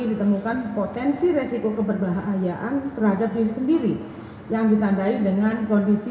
ditemukan potensi resiko keberbahayaan terhadap diri sendiri yang ditandai dengan kondisi